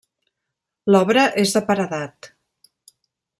L'obra és de paredat.